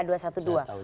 ini jurubicara pa